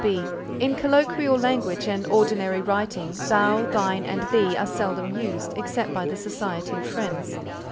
B. In colloquial language and ordinary writing Thou, Thine and Thee are seldom used, except by the Society of Friends.